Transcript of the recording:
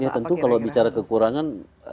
ya tentu kalau bicara kekurangan